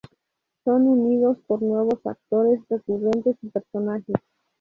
Son unidos por nuevos actores recurrentes y personajes.